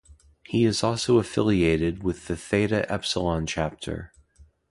He is also affiliated with the Theta Epsilon Chapter.